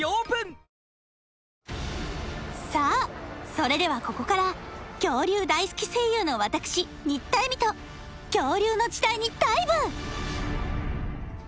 それではここから恐竜大好き声優の私新田恵海と恐竜の時代にダイブ！